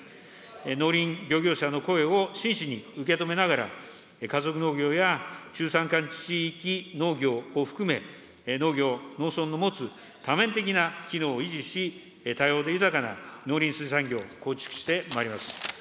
農林漁業者の声を真摯に受け止めながら、家族農業や中山間地域農業を含め、農業・農村の持つ多面的な機能を維持し、多様で豊かな農林水産業を構築をしてまいります。